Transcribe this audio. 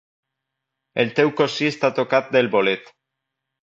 El teu cosí està tocat del bolet.